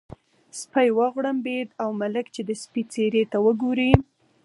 سپی وغړمبېد او ملک چې د سپي څېرې ته وګوري.